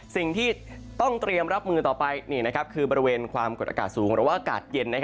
สิ่งที่ต้องเตรียมรับมือต่อไปคือบริเวณความกดอากาศสูงหรือว่าอากาศเย็น